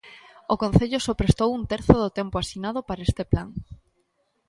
O concello só prestou un terzo do tempo asinado para este plan.